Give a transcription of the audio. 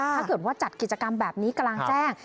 ถ้าเกิดว่าจัดกิจกรรมแบบนี้กลางแจ้ง